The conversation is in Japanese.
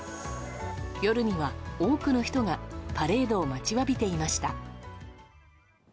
夜には多くの人がパレードを待ちわびていました。